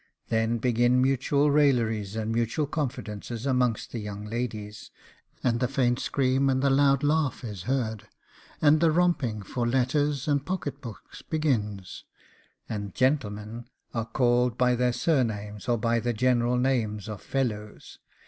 Then begin mutual railleries and mutual confidences amongst the young ladies, and the faint scream and the loud laugh is heard, and the romping for letters and pocket books begins, and gentlemen are called by their surnames, or by the general name of fellows!